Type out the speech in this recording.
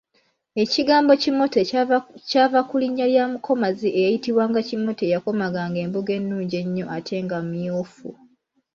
Ekigambo kimote kyava ku linnya lya mukomazi eyayitibwanga Kimote eyakomaganga embugo ennungi ennyo ate nga myufu.